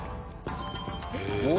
おっ！